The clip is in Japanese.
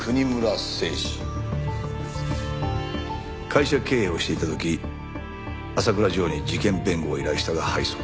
会社経営をしていた時浅倉譲に事件弁護を依頼したが敗訴。